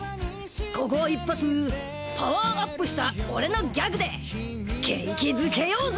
ここは一発パワーアップした俺のギャグで景気づけようぜ！